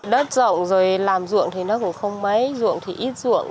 đất rộng rồi làm ruộng thì nó cũng không mấy ruộng thì ít ruộng